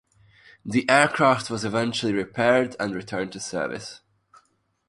The aircraft was eventually repaired and returned to service.